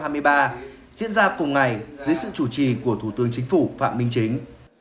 diễn ra cùng ngày dưới sự chủ trì của thủ tướng chính phủ phạm minh chính